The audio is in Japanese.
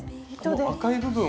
赤い部分。